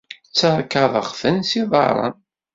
Ttarkaḍeɣ-ten s yiḍarren.